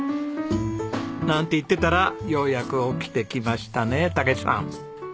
なんて言ってたらようやく起きてきましたね武史さん。